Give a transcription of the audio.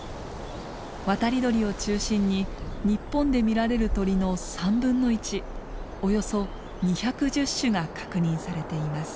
渡り鳥を中心に日本で見られる鳥の３分の１およそ２１０種が確認されています。